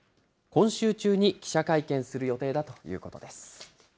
今週中に記者会見する予定だということです。